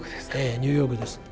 ニューヨークです。